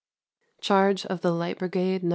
Charge of the Light Brigade. (No.